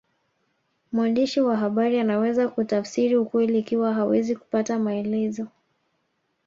Mwandishi wa habari anaweza kutafsiri ukweli ikiwa hawezi kupata maelezo